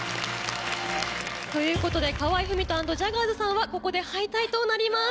ということで河合郁人＆ジャガーズさんはここで敗退となります。